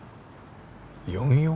４４？